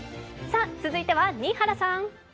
続いては新原さん。